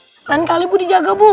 jalan kali bu dijaga bu